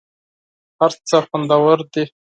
هر څه خوندور دي .